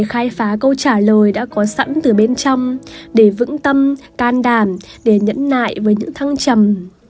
khai phá câu trả lời đã có sẵn từ bên trong để vững tâm can đảm để nhẫn nại với những thăng trầm